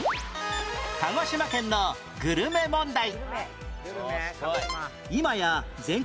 鹿児島県のグルメ問題